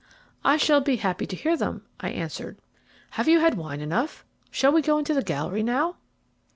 "I shall be happy to hear them," I answered. "Have you had wine enough? Shall we go into the gallery now?"